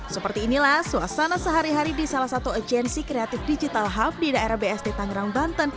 seperti inilah suasana sehari hari di salah satu agensi kreatif digital hub di daerah bsd tangerang banten